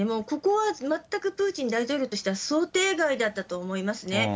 ここは全くプーチン大統領としては想定外だったと思いますね。